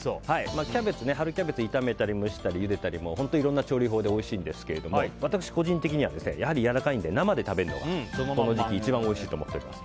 春キャベツ、炒めたり蒸したりゆでたり、いろんな調理法でおいしいんですけど私、個人的にはやはりやわらかいので生で食べるのがこの時期一番おいしいと思っています。